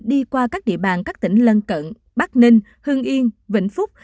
đi qua các địa bàn các tỉnh lân cận bắc ninh hưng yên vĩnh phúc